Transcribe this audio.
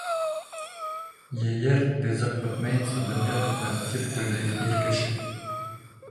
Ейер ризыҡ бөтмәйенсә, донъя бөтмәҫ, тип ҡуйҙы ир кеше.